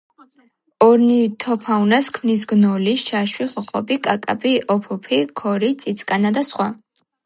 ორნითოფაუნას ქმნის გნოლი, შაშვი, ხოხობი, კაკაბი, ოფოფი, ქორი, წიწკანა და სხვა.